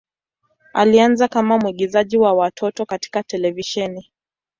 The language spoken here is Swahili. Alianza kama mwigizaji wa watoto katika televisheni.